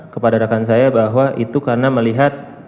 kepada rekan saya bahwa itu karena melihat